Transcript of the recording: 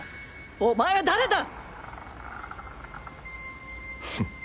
お前は誰だ！